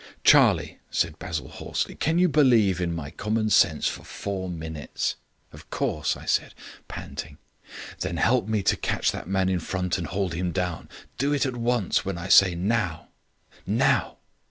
"Charlie," said Basil hoarsely, "can you believe in my common sense for four minutes?" "Of course," I said, panting. "Then help me to catch that man in front and hold him down. Do it at once when I say 'Now'. Now!"